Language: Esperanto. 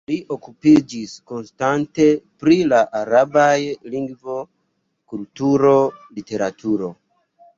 Li okupiĝis konstante pri la arabaj lingvo, kulturo, literaturo.